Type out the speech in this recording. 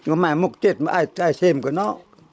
nó mãi múc chết mà ai xem của nó